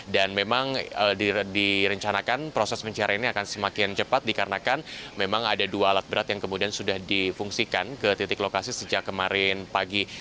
dan memang direncanakan proses pencarian ini akan semakin cepat dikarenakan memang ada dua alat berat yang kemudian sudah difungsikan ke titik lokasi sejak kemarin pagi